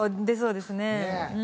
出そうですね。